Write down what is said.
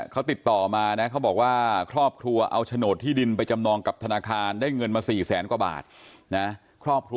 เขาติดต่อมานะเขาบอกว่าครอบครัวเอาโฉนดที่ดินไปจำนองกับธนาคารได้เงินมา๔แสนกว่าบาทนะครอบครัว